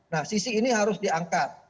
nah sisi ini harus diangkat